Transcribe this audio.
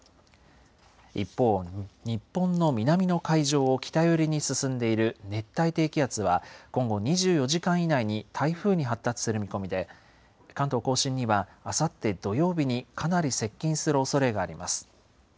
一方、日本の南の海上を北寄りに進んでいる熱帯低気圧は今後、２４時間以内に台風に発達する見込みで、関東甲信にはあさって土曜日にかなり接近するおそれがあります。